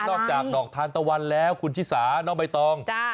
อกจากดอกทานตะวันแล้วคุณชิสาน้องใบตอง